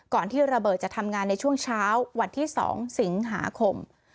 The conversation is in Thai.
ที่ระเบิดจะทำงานในช่วงเช้าวันที่๒สิงหาคม